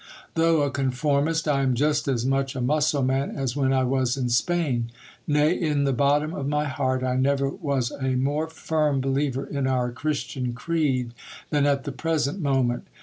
Though a conformist, I am just as much a Mussulman as when I was in Spain ; nay, in the bottom of my heart, I never was a more firm believer in our Christian creed than at the present moment.